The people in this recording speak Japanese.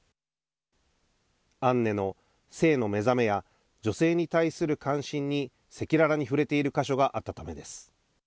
アンネの性の目覚めや女性に対する関心に赤裸々に触れている箇所があったためです。